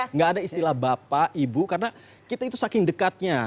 nggak ada istilah bapak ibu karena kita itu saking dekatnya